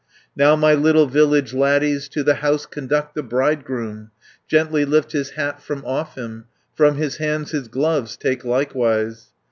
"Now my little village laddies, To the house conduct the bridegroom, Gently lift his hat from off him, From his hands his gloves take likewise.